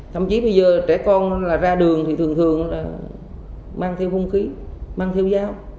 thậm chí bây giờ trẻ con ra đường thì thường thường mang theo hung khí mang theo dao